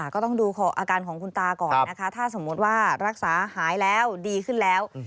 ก็ต้องดูอาการของคุณตาก่อนนะคะถ้าสมมุติว่ารักษาหายแล้วดีขึ้นแล้ว